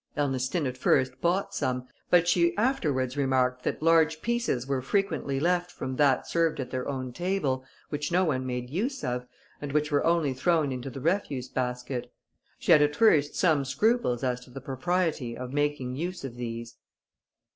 Ernestine, at first, bought some, but she afterwards remarked that large pieces were frequently left from that served at their own table, which no one made use of, and which were only thrown into the refuse basket. She had, at first, some scruples as to the propriety of making use of these.